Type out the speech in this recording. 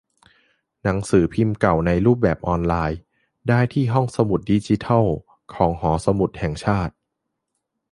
หนังสือพิมพ์เก่าในรูปแบบออนไลน์ ได้ที่ ห้องสมุดดิจิทัลของ หอสมุดแห่งชาติ